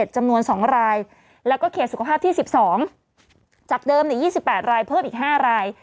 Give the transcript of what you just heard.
จำนวน๒รายแล้วก็เขตสุขภาพที่๑๒จากเดิม๒๘รายเพิ่มอีก๕ราย